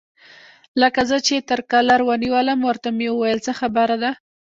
لکه زه چې یې تر کالر ونیولم، ورته مې وویل: څه خبره ده؟